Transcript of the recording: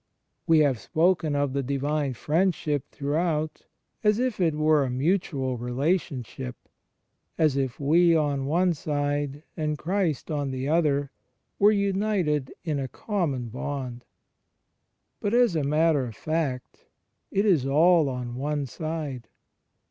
We have spoken of the Divine Friendship throughout as if it were a mutual relationship, as if we on one side, and Christ on the other, were xmited in a common 142 THE FRIENDSHIP OF CHRIST bond. But, as a matter of fact, it is all on one side.